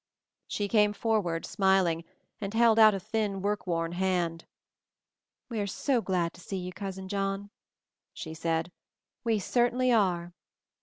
She came forward, smiling, and held out a thin work worn hand. "We're so glad to see you, Cousin John," she said. "We cer tainly are."